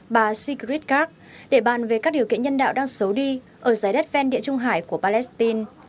bà sigrid karag để bàn về các điều kiện nhân đạo đang xấu đi ở giải đất ven địa trung hải của palestine